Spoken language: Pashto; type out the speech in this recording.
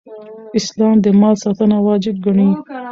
اسلام د مال ساتنه واجب ګڼي